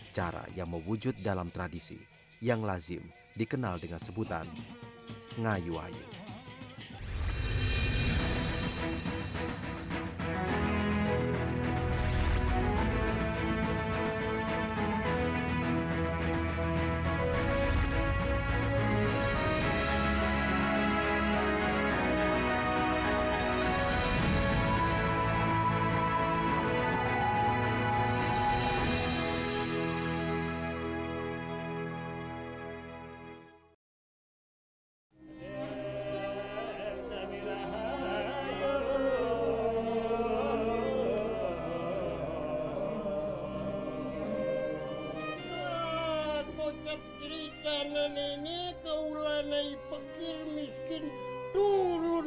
cara yang mewujud dalam tradisi yang lazim dikenal dengan sebutan ngayu ayu